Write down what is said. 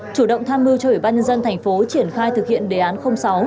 chủ động tham mưu cho ủy ban nhân dân thành phố triển khai thực hiện đề án sáu